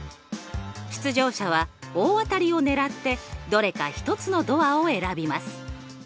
出場者は大当たりを狙ってどれか１つのドアを選びます。